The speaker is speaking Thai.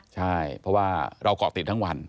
ใช่เพราะว่าเราเกาะติดทั้งวัน